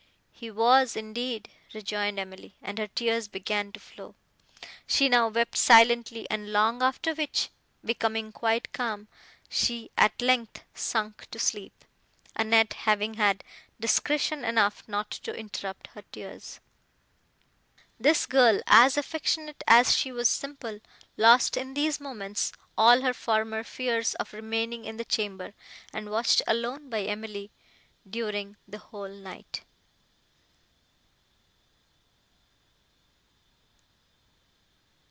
"He was, indeed!" rejoined Emily, and her tears began to flow. She now wept silently and long, after which, becoming quite calm, she at length sunk to sleep, Annette having had discretion enough not to interrupt her tears. This girl, as affectionate as she was simple, lost in these moments all her former fears of remaining in the chamber, and watched alone by Emily, during the whole night.